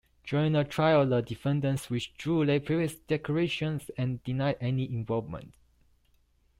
During the trial the defendants withdrew their previous declarations and denied any involvement.